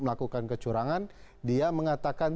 melakukan kecurangan dia mengatakan